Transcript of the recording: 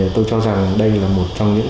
tôi cho rằng đây là một trong những